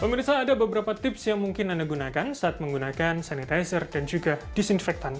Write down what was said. pemirsa ada beberapa tips yang mungkin anda gunakan saat menggunakan sanitizer dan juga disinfektan